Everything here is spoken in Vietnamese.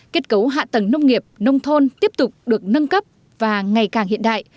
kết cấu hạ tầng nông nghiệp nông thôn tiếp tục được nâng cấp và ngày càng hiện đại